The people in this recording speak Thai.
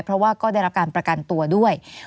เพราะว่าก็ได้รับการประกันตัวด้วย